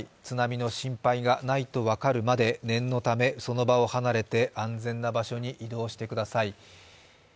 津波の心配がないと分かるまで、念のため、その場を離れて安全な場所に移動してください。